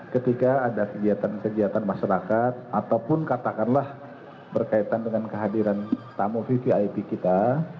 ketika ada kegiatan kegiatan masyarakat ataupun katakanlah berkaitan dengan kehadiran tamu vvip kita